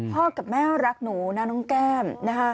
พ่อกับแม่รักหนูนะน้องแก๋ม